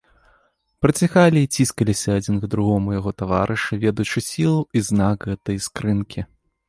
Прыціхалі і ціскаліся адзін к другому яго таварышы, ведаючы сілу і знак гэтай іскрынкі.